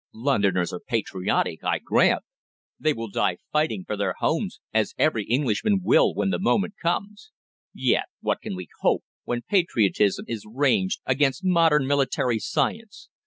Londoners are patriotic, I grant. They will die fighting for their homes, as every Englishman will when the moment comes; yet, what can we hope, when patriotism is ranged against modern military science?